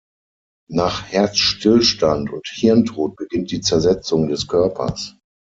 Nach Herzstillstand und Hirntod beginnt die Zersetzung des Körpers.